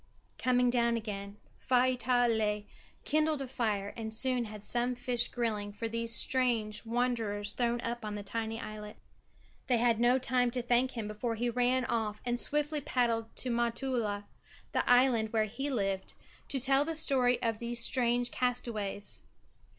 Coming down again, Faivaatala kindled a fire and soon had some fish grilling for these strange wanderers thrown up on the tiny islet. They had no time to thank him before he ran off and swiftly paddled to Motutala, the island where he lived, to tell the story of these strange castaways.